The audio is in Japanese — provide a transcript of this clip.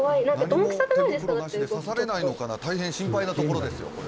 何も手袋なしで刺されないのかな大変心配なところですよ